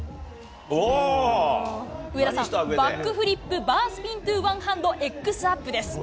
上田さん、バックフリップ・バースピン・トゥ・ワンハンド・エックスアップです。